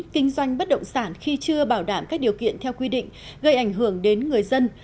kinh doanh bất động sản khi chưa bảo đảm các điều kiện theo quy định gây ảnh hưởng đến người dân